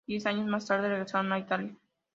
Diez años más tarde, regresaron a Italia.